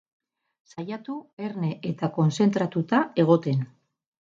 Saiatu erne eta kontzentratuta egoten.